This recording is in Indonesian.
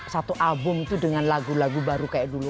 satu album itu dengan lagu lagu baru kayak dulu